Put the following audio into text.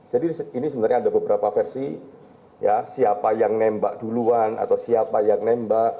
jadi ini sebenarnya ada beberapa versi siapa yang nembak duluan atau siapa yang nembak